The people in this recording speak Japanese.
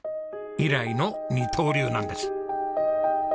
以来の二刀流なんです。